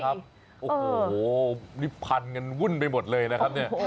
โอ้โหนี่พันกันวุ่นไปหมดเลยนะครับเนี่ย